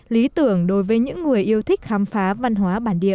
lý tưởng đối với những người yêu thích khám phá văn hóa bản địa